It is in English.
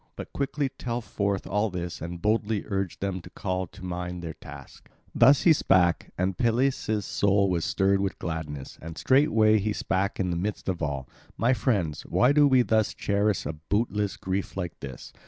But quickly tell forth all this and boldly urge them to call to mind their task." Thus he spake; and Peleus' soul was stirred with gladness, and straightway he spake in the midst of all: "My friends, why do we thus cherish a bootless grief like this?